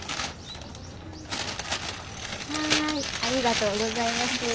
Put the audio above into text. ありがとうございます。